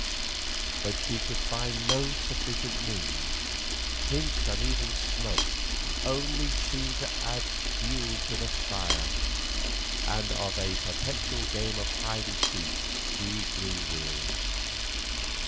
But she could find no sufficient means; hints, and even snubs, only seemed to add fuel to the fire, and of a perpetual game of hide and seek she grew weary.